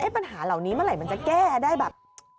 ปัญหาเหล่านี้เมื่อไหร่มันจะแก้ได้แบบ